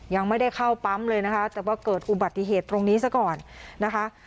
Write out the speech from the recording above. ยังไม่ได้เข้าปั๊มเลยนะคะแต่ว่าเกิดอุบัติเหตุตรงนี้ซะก่อนนะคะ